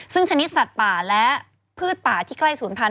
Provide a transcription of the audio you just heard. ซึ่งชนิดสัตว์ป่าและพืชป่าที่ใกล้ศูนย์พันธ